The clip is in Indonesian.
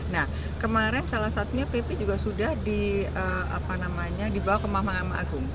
nah kemarin salah satunya pp juga sudah dibawa ke mahkamah agung